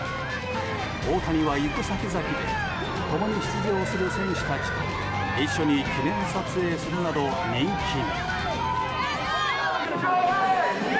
大谷は行く先々で共に出場する選手たちと一緒にテレビ撮影するなど人気に。